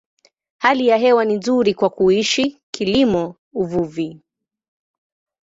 Hali ya hewa ni nzuri kwa kuishi, kilimo, uvuvi.